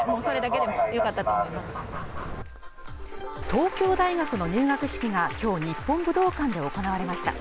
東京大学の入学式がきょう日本武道館で行われました